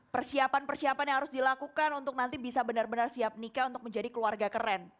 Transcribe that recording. persiapan persiapan yang harus dilakukan untuk nanti bisa benar benar siap nikah untuk menjadi keluarga keren